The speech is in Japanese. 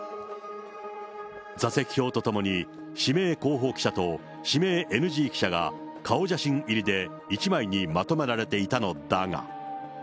座席表とともに、指名候補記者と指名ＮＧ記者が顔写真入りで１枚にまとめられていたのだが。